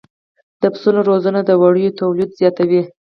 د پسونو روزنه د وړیو تولید زیاتوي.